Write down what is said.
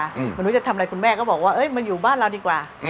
ไม่รู้จะทำอะไรคุณแม่ก็บอกว่ามาอยู่บ้านเราดีกว่า